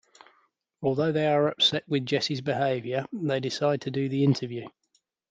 Although they are upset with Jess's behaviour, they decide to do the interview.